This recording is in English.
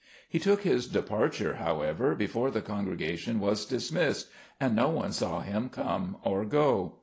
He took his departure, however, before the congrega tion was dismissed, and no one saw him come or go.